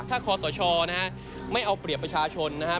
ถ้าคอสตไม่เอาเปรียบประชาชนนะครับ